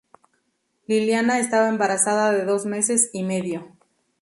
Liliana estaba embarazada de dos meses y medio.